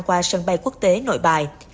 qua sân bay quốc tế nội bài